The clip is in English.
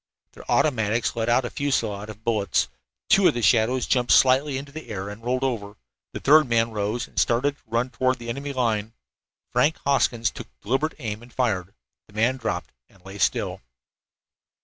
Their automatics let out a fusillade of bullets. Two of the shadows jumped slightly into the air, and then rolled over. The third man rose and started to run toward the enemy line. Frank Hoskins took deliberate aim and fired. The man dropped and lay still.